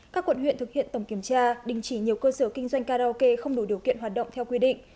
các quận huyện thực hiện tổng kiểm tra đình chỉ nhiều cơ sở kinh doanh karaoke không đủ điều kiện hoạt động theo quy định